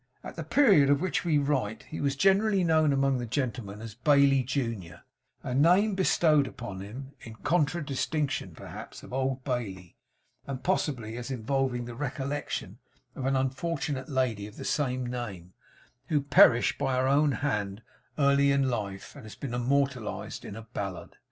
At the period of which we write, he was generally known among the gentlemen as Bailey junior; a name bestowed upon him in contradistinction, perhaps, to Old Bailey; and possibly as involving the recollection of an unfortunate lady of the same name, who perished by her own hand early in life, and has been immortalised in a ballad.